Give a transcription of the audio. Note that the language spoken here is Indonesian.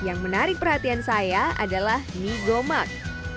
yang menarik perhatian saya adalah mie gomak